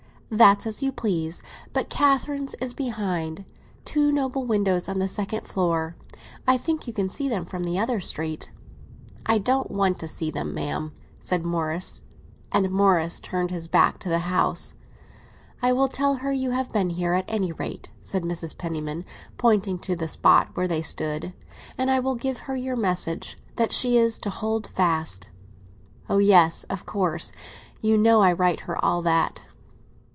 "That's as you please. But Catherine's is behind; two noble windows on the second floor. I think you can see them from the other street." "I don't want to see them, ma'am!" And Morris turned his back to the house. "I will tell her you have been here, at any rate," said Mrs. Penniman, pointing to the spot where they stood; "and I will give her your message—that she is to hold fast!" "Oh, yes! of course. You know I write her all that."